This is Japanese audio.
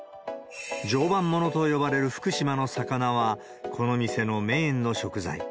常磐ものと呼ばれる福島の魚は、この店のメインの食材。